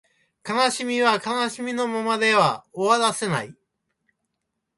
悲しみは悲しみのままでは終わらせない